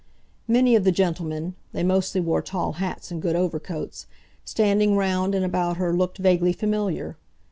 Many of the gentlemen—they mostly wore tall hats and good overcoats—standing round and about her looked vaguely familiar.